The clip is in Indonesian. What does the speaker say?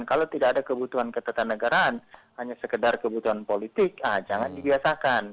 kalau tidak ada kebutuhan ketetanegaraan hanya sekedar kebutuhan politik jangan dibiasakan